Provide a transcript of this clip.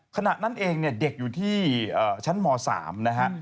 ขณะนั้นเองเนี่ยเด็กอยู่ที่ชั้นม๓นะฮะ